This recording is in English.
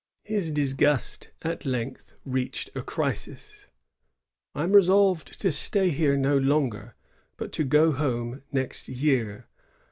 His disgust at length reached a crisis. ^I am resolved to stay here no longer, but to go home next year.